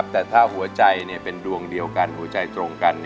แต่ถ้าหัวใจเป็นดวงเดียวกันหัวใจตรงกัน